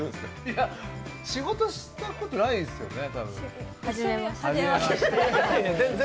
仕事したことないですよね。